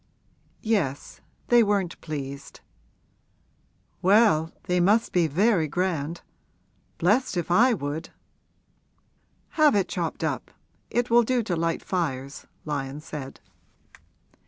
'Yes; they weren't pleased.' 'Well, they must be very grand! Blessed if I would!' 'Have it chopped up; it will do to light fires,' Lyon said.